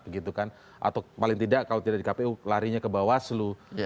atau paling tidak kalau tidak di kpu larinya ke bawaslu